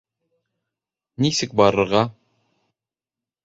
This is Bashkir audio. ... нисек барырға?